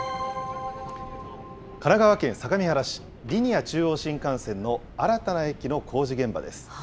神奈川県相模原市、リニア中央新幹線の新たな駅の工事現場です。